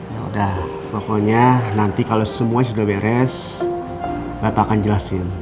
ya udah pokoknya nanti kalau semuanya sudah beres bapak akan jelasin